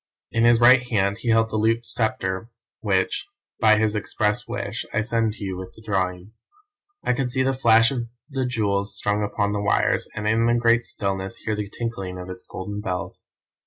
In his right hand he held the looped sceptre which, by his express wish I send to you with the drawings. I could see the flash of the jewels strung upon the wires, and in the great stillness, hear the tinkling of its golden bells.